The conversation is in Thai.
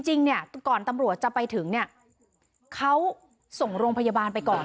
จริงก่อนตำรวจจะไปถึงเขาส่งโรงพยาบาลไปก่อน